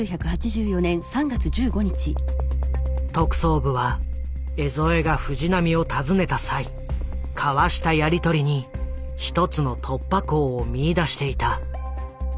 特捜部は江副が藤波を訪ねた際交わしたやり取りに一つの突破口を見いだしていた。